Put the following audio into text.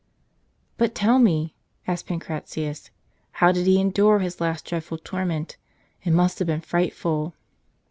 "But tell me," asked Pancratius, "how did he endure his last dreadful torment? It must have been frightful."